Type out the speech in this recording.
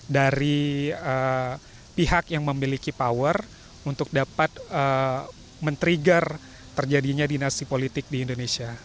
dari pihak yang memiliki power untuk dapat men trigger terjadinya dinasti politik di indonesia